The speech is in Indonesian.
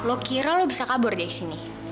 lo kira lo bisa kabur dari sini